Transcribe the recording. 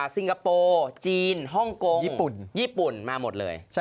สิงคโปจีนฮ่องกงญี่ปุ่นมาหมดเลย